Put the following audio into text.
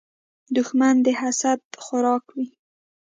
دښمن د حسد خوراک وي